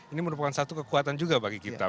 ini merupakan satu kekuatan juga bagi kita